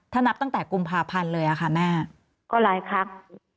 ถ้านับตั้งแต่กุมภาพันธ์เลยค่ะแม่ก็หลายครั้ง